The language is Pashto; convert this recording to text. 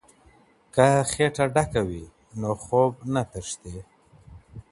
که خیټه ډکه وي نو خوب نه تښتي.